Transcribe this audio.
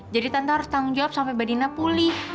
jadi tante harus tanggung jawab sampai mbak dina pulih